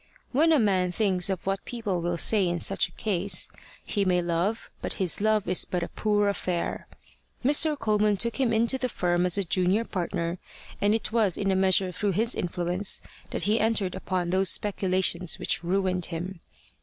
When a man thinks of what people will say in such a case, he may love, but his love is but a poor affair. Mr. Coleman took him into the firm as a junior partner, and it was in a measure through his influence that he entered upon those speculations which ruined him.